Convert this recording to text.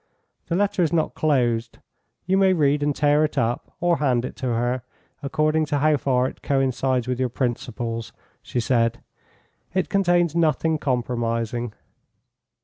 "The letter is not closed; you may read and tear it up, or hand it to her, according to how far it coincides with your principles," she said. "It contains nothing compromising."